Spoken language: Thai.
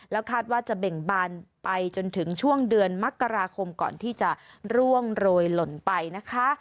คาดว่าจะเบ่งบานไปจนถึงช่วงเดือนมกราคมก่อนที่จะร่วงโรยหล่นไปนะคะ